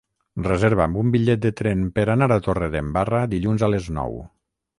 Reserva'm un bitllet de tren per anar a Torredembarra dilluns a les nou.